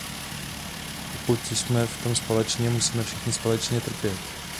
Pokud jsme v tom společně, musíme všichni společně trpět.